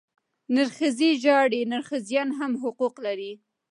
نرښځی ژاړي، نرښځيان هم حقوق لري.